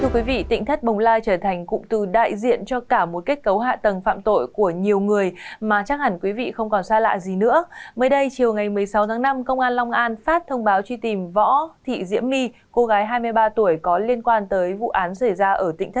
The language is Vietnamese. các bạn hãy đăng ký kênh để ủng hộ kênh của chúng mình nhé